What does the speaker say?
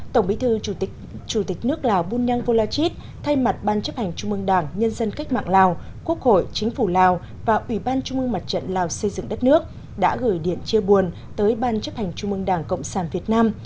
tổng bí thư chủ tịch nước lào bunyang volachit thay mặt ban chấp hành trung mương đảng nhân dân cách mạng lào quốc hội chính phủ lào và ủy ban trung mương mặt trận lào xây dựng đất nước đã gửi điện chia buồn tới ban chấp hành trung mương đảng cộng sản việt nam